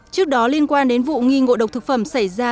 trước đó liên quan đến vụ nghi ngộ độc thực phẩm xảy ra